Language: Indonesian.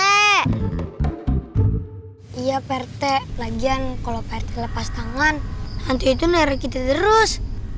iya pak rt lagian kalau pak rt lepas tangan hantu itu nerik kita terus